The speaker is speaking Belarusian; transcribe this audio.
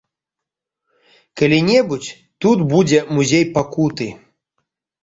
Калі-небудзь тут будзе музей пакуты.